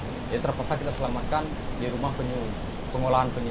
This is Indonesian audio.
jadi terpaksa kita selamatkan di rumah penyuh pengolahan penyuh